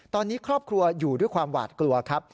ตอนนี้ครอบครัวอยู่ด้วยความหวาดกลัวครับ